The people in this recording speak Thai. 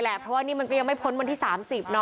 เพราะว่านี่มันก็ยังไม่พ้นวันที่๓๐เนาะ